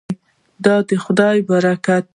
دا د خدای برکت دی.